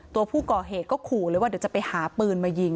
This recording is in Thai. ตัวผู้ก่อเหตุก็ขู่เลยว่าเดี๋ยวจะไปหาปืนมายิง